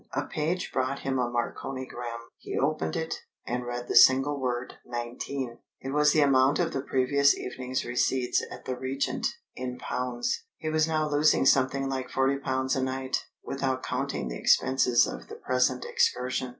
A page brought him a marconigram. He opened it, and read the single word "Nineteen." It was the amount of the previous evening's receipts at the Regent, in pounds. He was now losing something like forty pounds a night without counting the expenses of the present excursion.